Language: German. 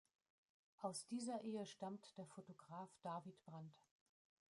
Aus dieser Ehe stammt der Fotograf David Brandt.